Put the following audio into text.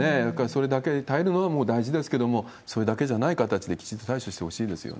それだけ、耐えるのはもう大事ですけれども、それだけじゃない形できちっと対処してほしいですよ